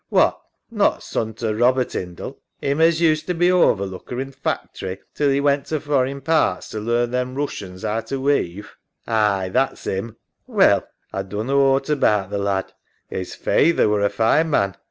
What, not son to Robert 'Indie, 'im as used to be overlooker in th' factory till 'e went to foreign parts to learn them Roossians 'ow to weave? EMMA. Aye, that's 'im. SARAH. Well, A dunno ought about th' lad. 'Is faither were a fine man.